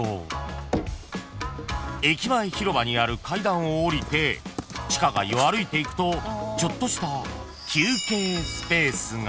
［駅前広場にある階段を下りて地下街を歩いていくとちょっとした］